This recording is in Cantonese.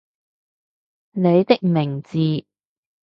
你的名字